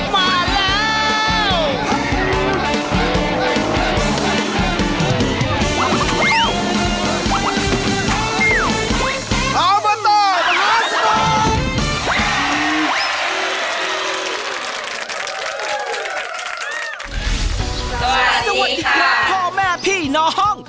สวัสดีครับสวัสดีครับพ่อแม่ผีน้อง